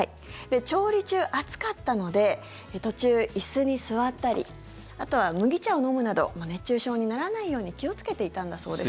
調理中、暑かったので途中、椅子に座ったりあとは麦茶を飲むなど熱中症にならないように気をつけていたんだそうです。